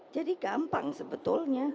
jadi gampang sebetulnya